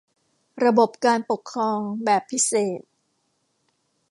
ระบบการปกครองแบบพิเศษ